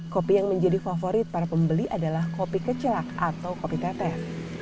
kopi yang menjadi favorit para pembeli adalah kopi kecelak atau kopi teteh